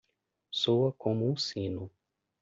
Soa como um sino.